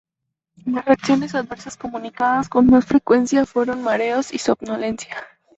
Las reacciones adversas comunicadas con más frecuencia fueron mareos y somnolencia.